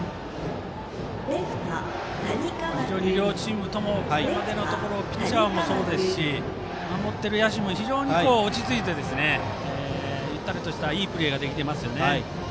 非常に両チームともこれまでのところピッチャーもそうですし守っている野手も非常に落ち着いてゆったりした、いいプレーができています。